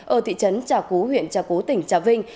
ở thị trấn trà cú huyện trà cú tỉnh trà vinh